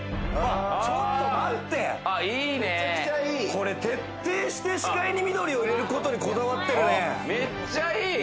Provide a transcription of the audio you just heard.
これまた。徹底して視界に緑を入れることにこだわってるね。